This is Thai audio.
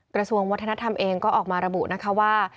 กระทรวงวัฒนธรรมเองก็ออกมาระบุนะคะว่า